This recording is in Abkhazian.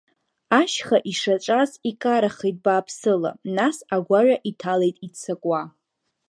Ашьха ишаҿаз икарахеит бааԥсыла, нас агәаҩа иҭалеит иццакуа.